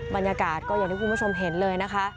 บรรยากาศก็อย่างที่คุณผู้ชมเห็นเลยนะคะ